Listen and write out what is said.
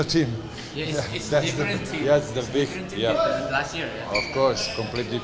itu adalah faktor besar